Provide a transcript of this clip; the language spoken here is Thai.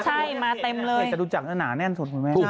เจ้าดูจักรหนาแน่นสุดครูแม่